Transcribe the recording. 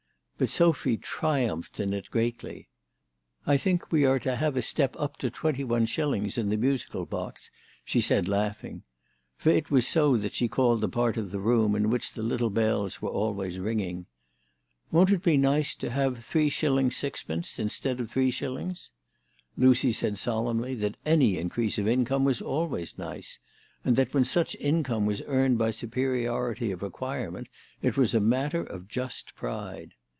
But Sophy triumphed in it greatly. " I think we are to have a step up to 2Ls. in the musical box," she said laughing. For it was so that she called the part of the room in which the little bells were always ringing. " Won't it be nice to have 3s. Qd. instead of 3s. ?" Lucy said solemnly that any increase of income was always nice, and that when such income was earned by superiority of acquirement it was a matter of just pride.